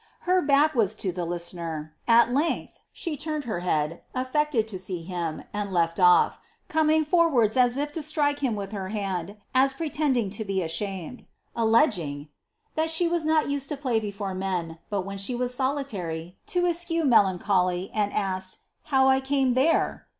Her bark was lo the liaiener, at length she turned her head, ai Teeted to see him, and left ofT, coming forwards aa if to strike him wh her hand, as pretending lo be ashamed ; alleging " that she used not t play before men, but when she was solitary, to eschew melancholy, id asked ' how 1 came (here